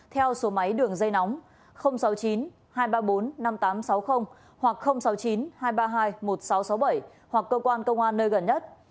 theo số máy đường dây nóng sáu mươi chín hai trăm ba mươi bốn năm nghìn tám trăm sáu mươi hoặc sáu mươi chín hai trăm ba mươi hai một nghìn sáu trăm sáu mươi bảy hoặc cơ quan công an nơi gần nhất